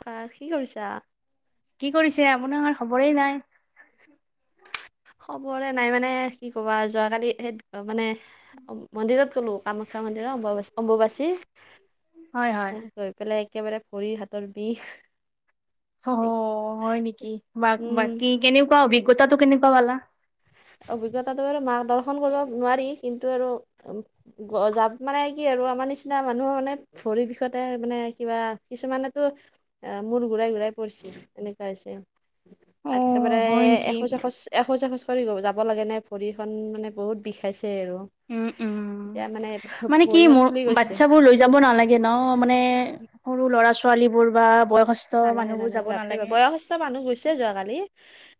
হ কি কৰিছা? কি কৰিছে আপোনাৰ খবৰেই নাই খবৰে নাই মানে কি ক'বা যোৱাকালি সেই মানে মন্দিৰত গলো কামাখ্যা মন্দিৰত অম্ব অম্বুবাচী হয় হয় গৈ পেলাই একেবাৰে ভৰিৰ হাতৰ বিষ অ হয় নেকি? বা উম বাকী কেনেকোৱা অভিজ্ঞতাটো কেনেকোৱা পালা অভিজ্ঞতাটো আৰু মাক দৰ্শন কৰিব নোৱাৰি কিন্তু আৰু যাম মানে কি আৰু আৰু আমাৰ নিচিনা মানুহ মানে ভৰিৰ বিষতে মানে কিবা কিছুমানেতো অ মূৰ ঘুৰাই ঘূৰাই পৰিছে এনেকোৱা হৈছে। অ একেবাৰে হয় নেকি এখোজ এখোজ এখোজ কৰি যাব লাগে নে ভৰিখন মানে বহুত বিষাইছে। সে আৰু উম উম এতিয়া মানে মানে কি ভৰিখন মোৰ ফুলি গৈছে বাচ্ছাবোৰ লৈ যাব নালাগে ন মানে সৰু ল'ৰা ছো ছোৱালীবোৰ বা বয়সস্থ নালাগে মানুহবোৰ যাব নালাগে, বয়সস্থ মানুহ গৈছে যোৱাকালি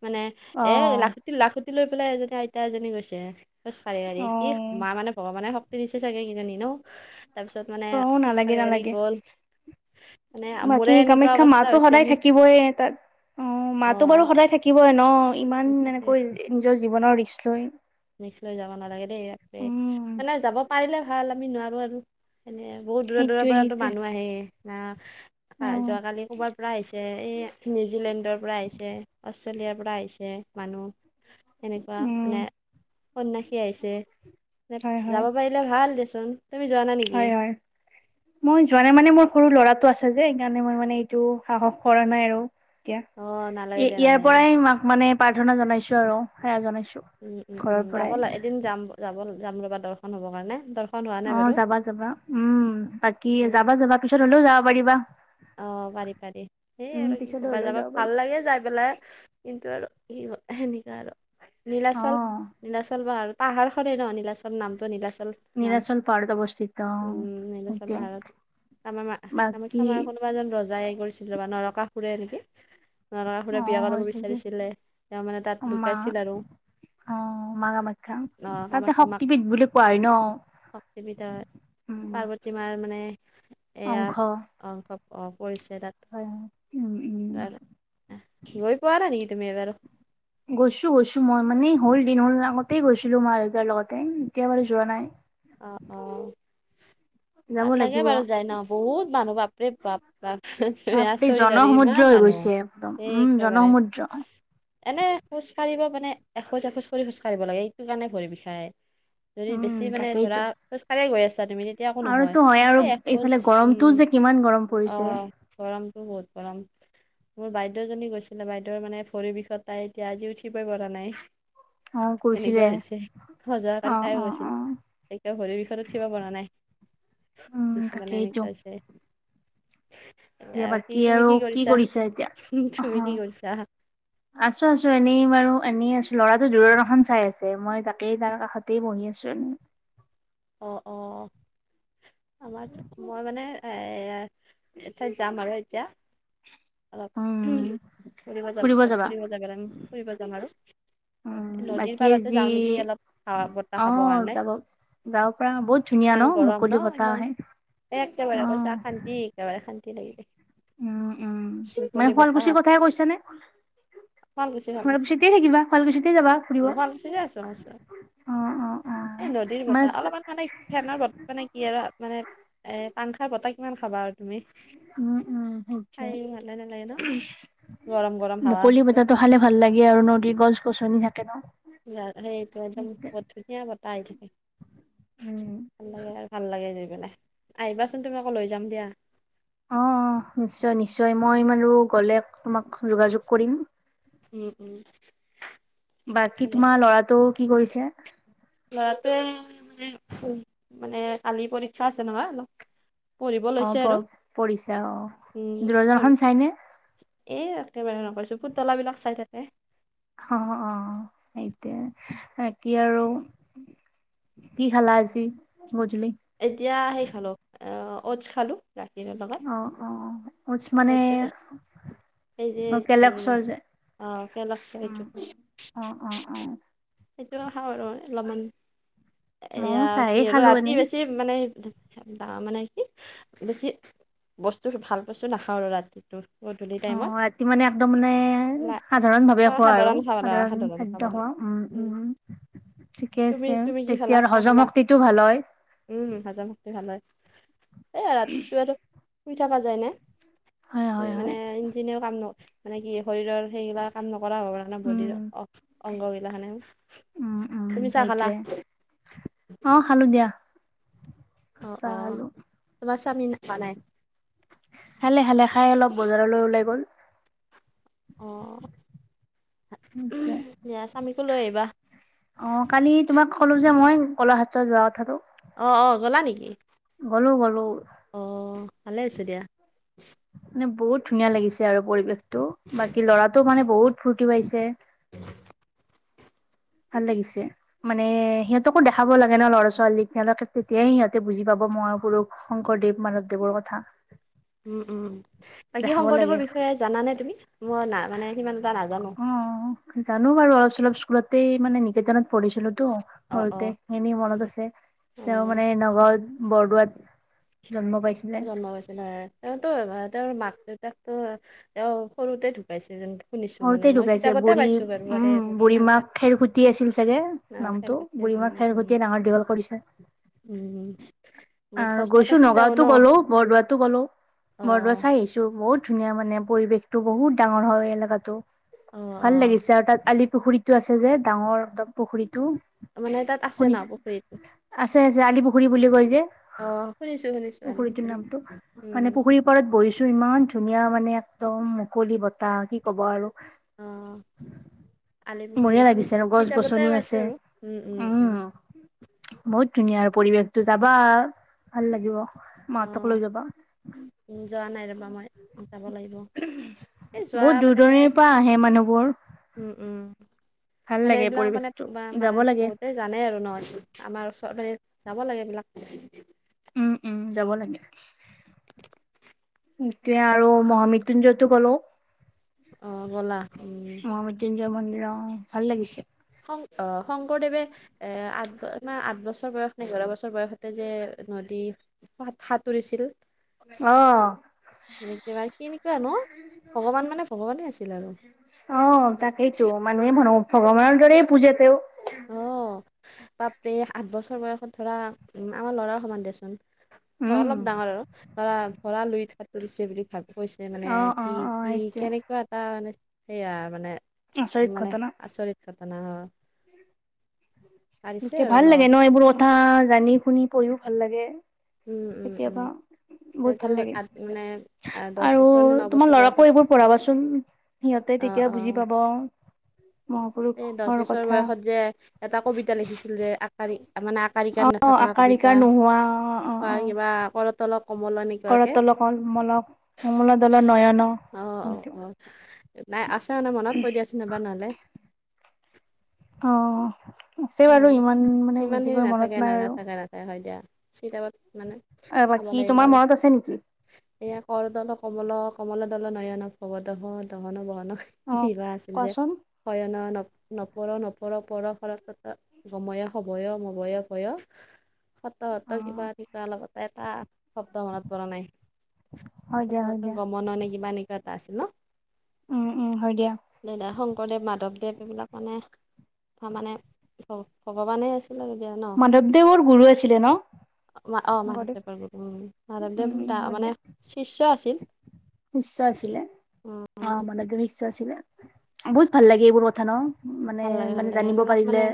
মানে অ এ লাখুটি লাখু লৈ পেলাই এজনী আইতা এজনী গৈছে খোজ কাঢ়ি কাঢ়ি অ ই মা মানে ভগৱানে শ ক্তি দিছে চাগে কিজানি নহ, তাৰ পিছত মানে ত নালাগে খোজকাঢ়ি কাঢ়ি নালাগে গ'ল মানে মোৰে এনে শিক্ষা মনতো সদায় থাকিবই তাত, অ মাতো বাৰু সদায় থাকিবই ন? ইমান এনেকৈ নিজৰ জীৱনৰ ৰিক্স লৈ ৰিক্স লৈ যাব নালাগে দেই উম মানে যাব পাৰিলে ভাল আমি নোৱাৰো আৰু এনে বহুত দূৰ দূৰৰ সেইটোৱে পৰাতো সেইটোৱে মানুহ আহে না অ যোৱাকালি ক'ৰবাৰ পৰা আহিছে এই নিউজিলেণ্ডৰ পৰা আহিছে, অষ্ট্ৰেলিয়াৰ পৰা আহিছে,, মানুহ সেনেকোৱা উম, মানে সন্যাসী আহিছে, হয়, যাব হয়, পাৰিলে ভাল দেচোন। তুমি যোৱা নাই নেকি হয় হয়,, মই যোৱা নাই মানে মোৰ সৰু ল'ৰা টো আছে যে সেইকাৰণে মই মানে এইটো সাহস কৰা নাই আৰু। এতিয়া অঁ নালাগে এ দে ইয়াৰ নালাগে দে পৰাই মাক মানে প্ৰাৰ্থনা জনাইছো আৰু সেৱা জনাইছো। উম উম ঘৰৰ উম যাব পৰাই লাগ এদিন যাম যাব যাম ৰ'বা দৰ্শন হ'বৰ কাৰণে, দৰ্শন হোৱা নাই অ বাৰু যাবা যাবা উম বাকী যাবা যাবা পিছত হলেও যাব পাৰিবা। অ পাৰি পাৰি,, সেই উম, আৰু কি পিছলৈ কবা হ'লেও যাবা যাব ভাল পাৰিবা লাগে যাই পেলাই কি আৰু কি ক সেনেকোৱা আৰু, নীলাচল অ'। নীলাচল পাহাৰত পাহাৰ খনেই ন নীলাচল নামটো নীলাচল নাম নীলাচল পাহাৰত অৱস্থিত অ উম, নীলাচল পাহাৰত সেইটোৱে। আমাৰ বাকী আমাৰ কোনোবা এজন ৰজাই কৰিছিল ৰবা নৰকাসুৰে নেকি নৰকাসুৰে অ', বিয়া হয় কৰাব চাগে বিচাৰিছিলে তেওঁ মানে তাত মা লুকাইছিল আৰু অ মা কামাখ্যা, অঁ তাতে কামাখ্যা মাক শক্তিবিধ বুলি কোৱা হয় ন? শক্তি পীঠত উম, পাৰ্বতী মাৰ মানে এয়া অংশ অংশ পৰিছে। যে হয় হয় উম উম তাত গৈ পোৱা নাই নি তুমি এবাৰো গৈছো গৈছো মই মানে হ'ল দিন হ'ল আগতেই গৈছিলো মা দেউতাৰ লগতে এতিয়া বাৰু যোৱা নাই। অ অ যাব ভাল লাগে লাগিব বাৰু যাই ন বহুত মানুহ বাপৰে বাপ বাপ তুমি বাপৰে আচৰিত আৰু আৰু জনসমুদ্ৰ ইমান হৈ মানুহ গৈছে একদম সে উম একেবাৰে জনসমুদ্ৰ এনে গৈছো খোজকাঢ়িব মানে এখোজ এখোজ কৰি় খোজ কাঢ়িব লাগে, এইটো কাৰণে ভৰি বিষায়, যদি উম বেছি মানে তাকেইতো ধৰা খোজকাঢ়ি গৈ আছে আৰুতো হয় আৰু এইফালে গৰমতটোও যে কিমান গৰম অ পৰিছে গৰমতো বহুত গৰম মোৰ বাইদেউজনী গৈছিলে, বাইদেউৰ মানে ভৰিৰ বিষত তাই এতিয়া আজি উঠিবই পৰা নাই অ কৈছিলে সেনেকোৱা হৈছে সজোৱা অ কালি তাই অ গৈছিল। অ এতিয়া ভৰিৰ বিষৰত উঠিব পৰা নাই উম কিছু মানে তাকেইতো এনেকোৱা হৈছে। এতিয়া [unintelligible] বাকী তুমি আৰু কি কৰিছা? এতিয়া অ তুমি কি কৰিছা? আছো আছো এনেই বাৰু আনি আছো ল'ৰাটো দূৰদৰ্শন চাই আছে মই তাকেই তাৰ কাষতেই বহি আছো এনেই। অ অ। আমাৰ মই মানে এ এঠাইত যাম আৰু এতিয়া। অলপ উম ফুৰিব যাব ফুৰিব যাগাৰান ফুৰিব যাম আৰু। উম, নদীৰ বাকী পাৰাতে যি যাওঁ নেকি অলপ সাৱা বতাহ খাব কাৰণে। গাঁৱৰ পৰা বহুত ধুনীয়া ন মুকলি বতাহ আহে। এ একেবাৰে কৈছা অ', অশান্তি একেবাৰে শান্তি লাগিলে উম, উম মানে মুকলি শুৱালকুছিৰ বতাহত কথা কৈছানে, শুৱালকুছি শুৱালকুছি শুৱালকুছিতেই থাকিবা শুৱালকুছি যিতে যাবা ফুৰিব অ অ', [inaudible] এ অ', নদীৰ মানে বতাহ অলপমান মানে ফেনৰ ব মানে কি আৰু মানে এ পাংখা বতাহ কিমান খাবা আৰু তুমি? উম উম। খাই ভালে নালাগে ন গৰম গৰম মুকলি হাৱাটো বতাহটো খালে ভাল লাগে আৰু নদীৰ গছ বছনি থাকে ন। সেইটো একদম বহুত ধুনীয়া বতাহ আহি থাকে। উম, ভাল লাগে আৰু ভাল লাগে গৈ পেলাই আহিবাচোন তুমি আকৌ লৈ যাম দিয়া। অ নিশ্চয় নিশ্চয়, মই মানো গলে তোমাক যোগাযোগ কৰিম। উম উম বাকী তোমাৰ ল'ৰাটো কি কৰিছে? লৰাটোৱে মানে মানে কালি পৰীক্ষা আছে নহয় অলপ পঢ়িব অ', লৈছে, আৰু পঢ়িছা অ', উম পঢ় দূৰদৰ্শন চাইনে? এ একেবাৰে নকৈছো পুতলাবিলাক চাই থাকে। অ অ সেটোয়ে বাকী আৰু কি খালা আজি? গধূলি? এতিয়া সেই খালো অৰ্টছ খালো। গাখীৰৰ লগত অ অ উজ মানে অ'টছ এই যে অ উম কেলক্সৰ যে আহ কে লগছে উম সেইটোত উম অ অ অ সেইটো খাওঁ আৰু অলপমান এয়া ময়ো কি চায়ে আৰু খালো ৰাতি এনেই বেছি। মানে মানে কি বেছি বস্তু ভাল বস্তু নাখাওঁ আৰু ৰাতিটো গধূলি অ টাইমত ৰাতি মানে একদম মানে লা- সাধাৰণ ভাৱে এটা খোৱা আৰু সাধাৰণ খাব লাগে সাধাৰণ খাব খাদ্য লাগে খোৱা উম উম ঠিকে তুমি আছে তুমি কি খালা তেতিয়া চাহ হজম খালা শক্তিটো ভাল হয়। উম হজম শক্তি ভাল হয়, এইয়া ৰাতিটো শুই থকা যায় নে? হয় হয় মানে হয় ইঞ্জিনেও কাম ন মানে কি শৰীৰৰ সেইগিলা কাম নকৰা হ'ব পে উম বডিৰ অ অংগ বিলাখানে উম উম তুমি চা খালা? সেইটোৱে অ খালো দিয়া। অ অ চাহ খালো তোমাৰ চামমিন নাপ নাই খালে খালে খাই অলপ বজাৰলৈ ওলাই গ'ল অ। নিউছ দে দিয়া স্বামীকো লৈ আহিবা অ কালি তোমাক ক'লো যে মই কলা হাউচত যোৱা কথাটো। অ অ গলা নেকি? গলো গলো অ ভালে আছে দিয়া। মানে বহুত ধুনীয়া লাগিছে আৰু পৰিৱেশটো বাকী লৰাটোও মানে বহুত ফূৰ্তি পাইছে ভাল লাগিছে মানে সিহঁতকো দেখাব লাগে ন ল'ৰা ছোৱালীক তেওঁলোকে তেতিয়াহে সিহঁতে বুজি পাব মহাপুৰুষ শংকৰদেৱ মাধৱদেৱৰ কথা উম উম বাকী দেখাব লাগে শংকৰদেৱৰ বিষয়ে জানানে তুমি মই না মানে সিমান এটা নাজানো অ জানো চল স্কুলতেই মানে নিকেতনত পঢ়িছিলো তো অ অ সৰুতে এনেই মনত আছে অ তেওঁ মানে নগাঁওত বৰদোৱাত জন্ম পাইছিলে জন্ম গৈছিলে তেওঁতো তেওঁৰ মাক দেউতাকতো অ সৰুতে ঢুকাইছে যেন শুনিছো মানে সৰুতে মই ঢুকাইছে কিতাপতে বুঢ়ী পাইছো বাৰু মানে উম এনেকে বুঢ়ী ইমান তাক মাক খেৰসূটি আছিল চাগে নামটো খেলকুটিয়া জন্ম বুঢ়ীমাক হৈছিল। খেৰসূতীয়ে ডাঙৰ দীঘল কৰিছে উম বহুত আৰু কষ্ট গৈছো পাইছিল তেওঁ নগাঁওতো ন গ'লো বৰদোৱাতো গ'লো অ বৰদোৱা চাই আহিছো বহুত ধুনীয়া মানে পৰিৱেশটো বহুত ডাঙৰ হয় এলেকাত অ ভাল অ লাগিছে আৰু তাত আলি পুখুৰীতো আছে যে ডাঙৰ একদম পুখুৰীত তো মানে তাত আছে ন শুনিছ পুখুৰীটো আছে আছে আলি পুখুৰী বুলি কয় যে অ শুনিছো শুনিছো আলি পুখুৰীটোৰ পুখুৰী নামটো উম মানে পুখুৰীৰ পাৰত বহিছো ইমান ধুনীয়া মানে একদম মুকলি বতাহ কি ক'বা আৰু অহ আলি বঢ়িয়া পুখুৰীয়ে লাগিছে আৰু শুনিছিল গছ কিতাপতে গছনি আছে পাইছো আৰু উম উম উম বহুত ধুনীয়া আৰু পৰিৱেশতো যাবা ভাল লাগিব অ মাহঁতক লৈ যাবা যোৱা নাই ৰবা মই যাব লাগিব বহুত দূৰ মানে দৰণিৰ পৰা আহে মানুহবোৰ উম উম ভাল মানে লাগে এইবিলাক মানে পৰিৱেশটো যাব মানে লাগে বহুতেই জানে আৰু ন আমাৰ ওচৰতে যাব লাগে এইবিলাক উম উম যাব লাগে এটোয়ে আৰু মহামৃত্যুঞ্জয়তো গলো অহ গ'লা উম ৰ ভাল লাগিছে শং শংকৰদেৱে এ আঠ আঠ বছৰ বয়স নে এঘাৰ বছৰ বয়সতে যে নদী সতুৰিছিল অ এনেকেবা কেনেকোৱা ন ভগৱান মানে ভগৱানে আছিল আৰু অ তাকেইতো মানুহে মনত ভগৱানৰ দৰে পূজাতেও অঁ বাপৰে আঠ বছৰ বয়সত ধৰা আমাৰ ল'ৰাৰ সমান দিয়াচোন অ উম অলপ ডাঙৰ আৰু ধৰা ভৰা লুই সাতুৰিছে বুলি ভাবো কৈছে মানে অ অ কি অ কি সেইটোৱে কেনেকোৱা এটা মানে সেয়া মানে আচৰিত মানে ঘটনা আচৰিত কথানা হ গতিকে ভাল লাগে ন এইবোৰ কথা জানি শুনি পঢ়িও ভাল লাগে উম উম উম কেতিয়াবা বহুত সেইটো ভাল লাগিল আঠ মানে আহ দহ আৰু বছৰ নে ন তোমাৰ বছৰ বয়সত ল'ৰাকো এইবোৰ পঢ়াবাচোন সিহঁতে অ তেতিয়া অ বুজি পাব এই দহ মহাপুৰুষৰ বছৰ কথা বয়সত যে এটা কবিতা লিখিছিল যে আকাশ তাৰ মানে আকাৰ ইকাৰ অ নাথকা আকাৰ কবিতা ইকাৰ নোহোৱা বা কিবা আকৰত কৰ তল কমল কমল দল নয়ন অ অ সেইটো অ নাই আছে মানে মনত কৈ দিয়াচোন এবাৰ নহ'লে অ আছে উম বাৰু ইমান মানে ইমান বেছিকৈ মনত নাই বাৰু চিতাবত মানে চাব বাকী লাগিব তোমাৰ আৰু মনত আছে নেকি এয়া কৰতল কমল কমল দল নয়ন ভৱদহ দহন বহন অ কিবা আছিল যে কোৱাচোন হয়ন নৱ নপৰ নপৰ পৰ সৰচ গময় সভয় মভয় ভয় সত্ৰ অ সত্ৰ কিবা কিবা লতেগ এটা শব্দ মনত পৰা নাই হয় দিয়া হয় সতৰ দিয়া গমন এনেই কিবা এনেকোৱা এটা আছিল ন উম উম হয় দিয়া দাদা শংকৰদেৱ মাধৱদেৱ এইবিলাক মানে ত মানে। ভগৱানে আছে। মাধৱদেৱৰ গুৰু আছিলে ন। অ গুৰুদেৱ মাধৱদেৱৰ গুৰু মাধৱদেৱ উম দা হয় মানে দিয়া শিষ্য আছিল। শিষ্য আছিলে অ উম, মনত শিষ্য আছিলে। বহুত ভাল লাগে এইবোৰ কথা ন মানে মানে জানিব পাৰিলে।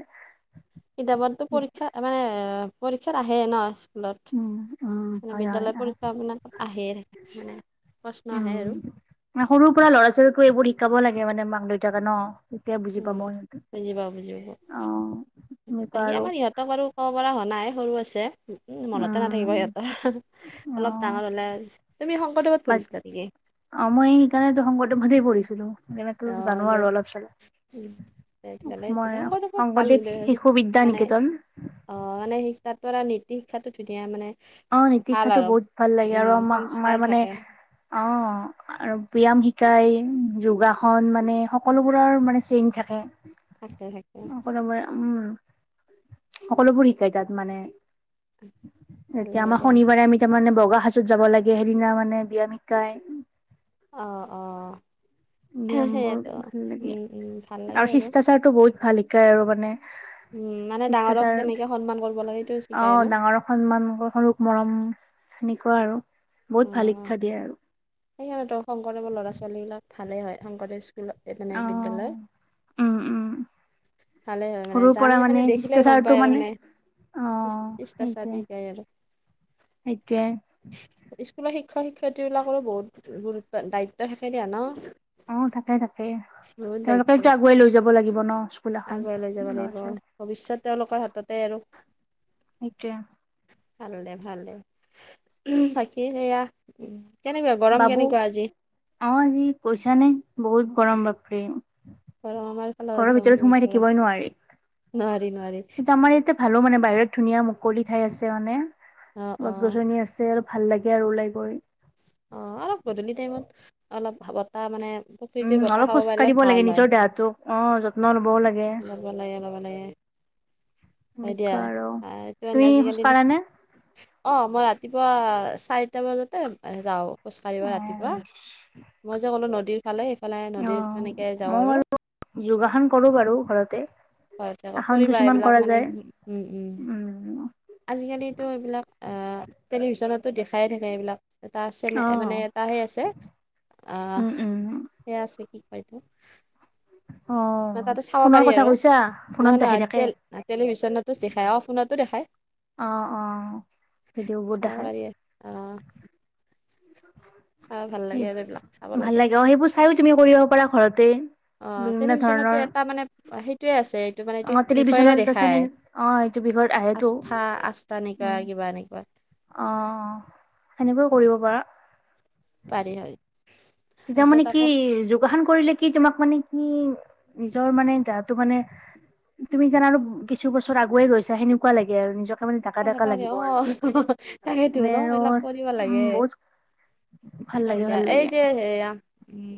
কিতাপততো পৰীক্ষা মানে পৰীক্ষাত আহে ন স্কুলত। উম উম মানে হয় হয় বিদ্যালয় আহ পৰীক্ষা মানে তাত আহে মানে প্ৰশ্ন আহে উম আৰু। সৰুৰ পৰাৰা ল'ৰা ছোৱালীকো এইবোৰ শিকাব লাগে মানে মাক দেউতাকে ন। তেতিয়া বুজি পাব উম, সিহঁতে অ। সেনেকুৱা সি আৰু আমাৰ ইহঁতক আৰু ক'ব পৰা হোৱা নাই সৰু আছে। উম মনতে নাথাকিব উম হিহঁতৰ অ অলপ ডাঙৰ হলে তুমি শংকৰদেৱত বা পঢ়িছিলা নেকি। অ মই সেইকাৰণে শংকৰদেৱত পঢ়িছিলো সেইকাৰণেতো জানো আৰু অলপ চলপ। ফালে মই চিদ্ধাকৰটো বহত ভাল শংকৰদেৱ কিলে শিশু বিদ্যা মানে নিকেতন অ মানে শিক তাত। ধৰা নীতি শিক্ষাতো ধুনীয়া মানে। অ ভাল নিতিশিক্ষাটো আৰু বহুত ভাল লাগে আৰু উম, আমা আমাৰ সংস্কাৰ মানে থাকে অ আৰু। ব্যায়াম শিকায় যোগাসন মানে সকলোবোৰৰ মানে চেইঞ্জ থাকে। থাকে থাকে। সকলোবোৰ উম সকলোবোৰ শিকাই তাত মানে। ভাল এতিয়া লাগে আমাৰ দিয়া শনিবাৰে আমি তাৰমানে বগা সাজত যাব লাগে সেইদিনা মানে ব্যায়াম সিকাই। অ অ। ব্যায়াম বোৰ সেইয়েতো ভাল লাগে উম, উম, ভাল লাগে আৰু শিষ্টাচাৰতটো বহুত ভাল শিকাই আৰু মানে। উম, মানে ডাঙৰক শিষ্টাচাৰ কেনেকে সন্মান কৰিব লাগে সেইটো অ শিকায় ন ডাঙৰ সন্মান সৰুক মৰম। সেনেকুৱা আৰু বহুত ভাল শিক্ষা দিয়ে আৰু। সেইকাৰণে শংকৰদেৱৰ ল'ৰা ছোৱালী বিলাক ভালে হয় শংকৰদেৱ স্কুল। এ এ মানে অ বিদ্যালয়। উম উম ভালে হয় মানে সৰুৰ পৰা জানে মানে দেখিলে গম শিষ্টাচাৰটো পায় আৰু মানে। অ ইচ সেইটোৱে ইচতাছাবি কে আৰু। সেইটোৱে। স্কুলৰ শিক্ষক শিক্ষয়িত্ৰী বিলাকৰো বহুত গুৰুত্ব দায়িত্ব থাকে দিয়া ন। অ তাকে তাকে বহুত দায়িত্ব তেওঁলোকেতো আগুৱাই থাকে। লৈ যাব লাগিব ন। স্কুল এখন আগুৱাই লৈ যাব ল'ৰা লাগিব ছোৱালী আৰু ভৱিষ্যত তেওঁলোকৰ হাততে আৰু। সেইটোৱে ভাল দে ভাল দে বাকী সেয়া। কেনেকুৱা গৰম বাবু কেনেকুৱা আজি অ আজি কৈছানে বহুত গৰম বাপৰে গৰম আমাৰ ফালে ঘৰৰ একদম ভিতৰত বহুত সোমাই গৰম থাকিবই নোৱাৰি। নোৱাৰি নোৱাৰি সু আমাৰ ইয়াতে ভালো মানে বাহিৰত ধুনীয়া মুকলি ঠাই আছে মানে অ অ গছ গছনি আছে অ। ভাল লাগে আৰু ওলাই গৈ। অ অলপ গধূলি টাইমত অলপ বতাহ মানে। উম প্ৰকৃতিৰ বতাহ অলপ খাব খোজ পাৰিলে কাঢ়িব লাগে ভাল হয় নিজৰ দেহাটোক অ যত্ন ল'বও লাগে লব লাগে লব লাগে। হয় দিয়া এনেকুৱা আৰু এইটো তুমি আজিকাল খোজ নো কাঢ়া নে অ মই ৰাতিপুৱা চাৰিটা বজাতে যাও। খোজকাঢ়িবা অ ৰাতিপুৱা মই যে ক'লোঁ নদীৰ ফালে সেইফালে অ নদীৰত সেনেকে যাওঁ আৰু। যোগাসন কৰোঁ বাৰু ঘৰতে। ঘতে আকৌ আসন কৰিবা কিছুমান এইবিলাক কৰা মানে যায় উম উম। উম আজিকালোতো এইবিলাক আহ টেলিভিশনতো দেখাই থাকে এইবিলাক। এটা আছে নে অ মানে এটা সে আছে আহ উম উম সেই আছে কি। হয়টো। অ ন তাতে চাব ফোনৰ পাৰি কথা আৰু কৈছা ফোনত নহয় দেখাই নহয় থাকে টেলিভিশনতো দেখাই অ ফোনতো দেখাই। অ অ সেইটোও বু চাব দেখায়। পাৰি আৰু। অঁ চাব ভাল লাগে আৰু এইবিলাক চাব ভাল লাগে অ সেইবোৰ চাইয়ো তুমি কৰিব পাৰা ঘৰতে। অ বিভিন্ন টেলিভিশনতো ধৰণৰ এটা মানে সেইটোয়ে আছ যে এইটো মানে এইটো অ সেইটো বিষয়ৰে টেলিভিশ্যনত এটা দেখায় চেনেল অ এইটো বিষয়ত আহেতো আস্থা আস্থা এনেকুৱা উম কিবা এনেকুৱা অ সেনেকৈ কৰিব পাৰা পাৰি হয় তেতিয়া মানে তাৰপিছত কি আকৌ যোগাসন কৰিলে কি তোমাক মানে কি নিজৰ মানে দেহটো মানে তুমি জানা কিছু বছৰ আগুৱয়ে গৈছা সেনেকুৱা লাগে আৰু নিজক বাহাত পানীয়ে অ তাকেতো মানে ন আৰু এইবিলাক কৰিব উম লাগে বহুত ভাল হয় লাগে দিয়া ভাল লাগে এই যে সেয়া উম